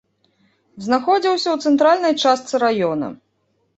Знаходзіўся ў цэнтральнай частцы раёна.